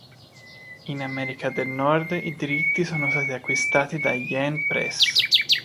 In America del Nord i diritti sono stati acquistati da Yen Press.